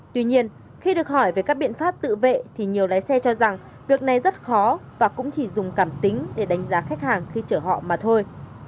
tuy nhiên khi được hỏi về các biện pháp tự vệ thì nhiều lái xe cho rằng việc này rất khó và cũng chỉ dùng cảm tính để đánh giá khách hàng khi chở họ mà thôi